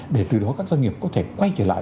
để từ đó các doanh nghiệp có thể quay trở lại